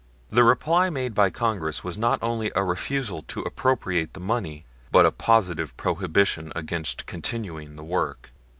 The reply made by Congress was not only a refusal to appropriate the money, but a positive prohibition against continuing the work.